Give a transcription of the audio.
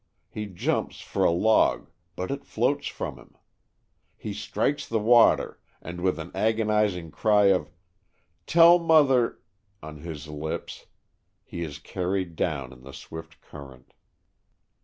He jumps for a log but it floats from him. He strikes the water and with an agonizing cry of "Tell mother" on his lips, he is carried down in the swift cur rent.